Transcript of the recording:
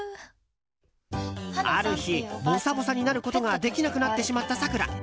ある日ぼさぼさになることができなくなってしまった、さくら。